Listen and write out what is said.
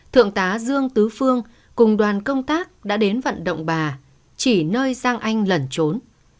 thượng tá dương tứ phương cùng đoàn công tác đã đến vận động bà chỉ nơi giang anh lẩn trốn